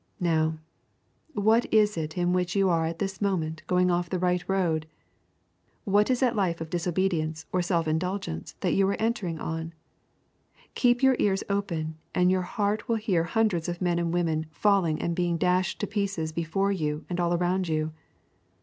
Now, what is it in which you are at this moment going off the right road? What is that life of disobedience or self indulgence that you are just entering on? Keep your ears open and you will hear hundreds of men and women falling and being dashed to pieces before you and all around you.